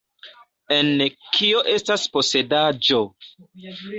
En "Kio estas Posedaĵo?